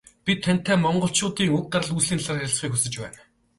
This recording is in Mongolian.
Бид тантай Монголчуудын уг гарал үүслийн талаар ярилцахыг хүсэж байна.